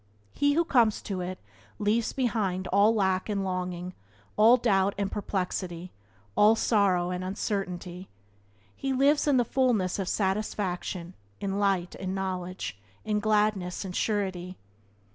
He who comes to it leaves behind him all lack and longing, all doubt and perplexity, all sorrow and uncertainty. He lives in the fullness of satisfaction, in light and knowledge, in gladness and surety.